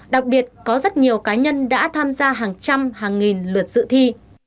đặc biệt có rất nhiều cá nhân đã tham gia hàng trăm hàng nghìn lượt dự thi